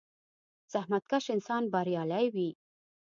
• زحمتکش انسان بریالی وي.